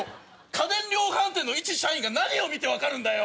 ⁉家電量販店のいち社員が何を見て分かるんだよ！